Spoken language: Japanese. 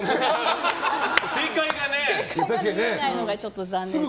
正解が見れないのがちょっと残念です。